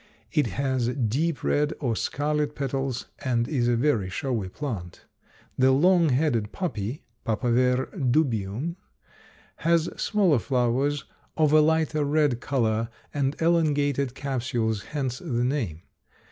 It has deep red or scarlet petals and is a very showy plant. The long headed poppy (P. dubium) has smaller flowers of a lighter red color and elongated capsules, hence the name.